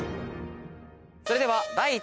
それでは第１問。